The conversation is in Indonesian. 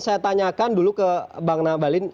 saya tanyakan dulu ke bang nabalin